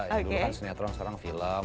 ya dulu kan sinetron sekarang film